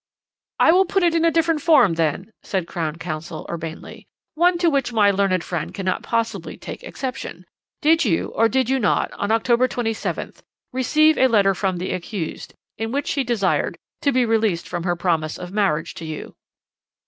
"'I will put it in a different form, then,' said Crown Counsel urbanely 'one to which my learned friend cannot possibly take exception. Did you or did you not on October 27th receive a letter from the accused, in which she desired to be released from her promise of marriage to you?'